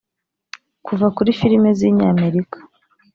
Kuva kuri filime z’inyamerika